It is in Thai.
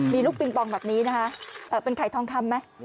มีลูกปิงปองแบบนี้นะคะเป็นไข่ทองคำไหม